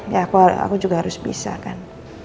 ya aku juga harus bisa kan